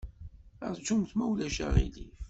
Ṛjumt, ma ulac aɣilif.